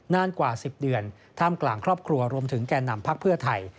นานกว่า๑๐เดือนท่ามกลางครอบครัวรวมถึงแก่นำพักเพื่อไทย